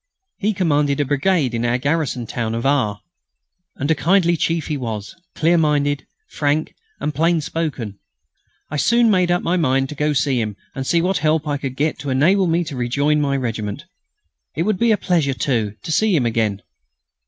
He commanded a brigade in our garrison town of R. And a kindly chief he was, clear minded, frank, and plain spoken. I soon made up my mind to go to him and see what help I could get to enable me to rejoin my regiment. It would be a pleasure, too, to see him again.